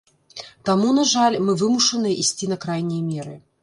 Таму, на жаль, мы вымушаныя ісці на крайнія меры.